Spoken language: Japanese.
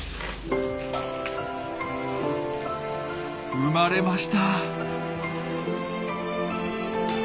生まれました！